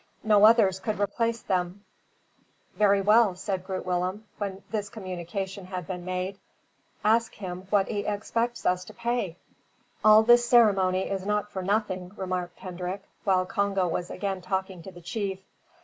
No others could replace them. "Very well," said Groot Willem, when this communication had been made; "ask him what he expects us to pay." "All this ceremony is not for nothing," remarked Hendrik, while Congo was again talking to the chief.